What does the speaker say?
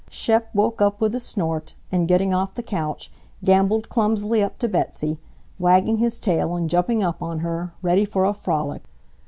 Shep woke up with a snort and, getting off the couch, gamboled clumsily up to Betsy, wagging his tail and jumping up on her, ready for a frolic.